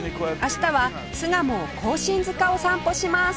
明日は巣鴨庚申塚を散歩します